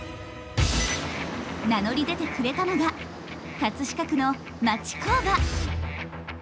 名乗り出てくれたのが飾区の町工場。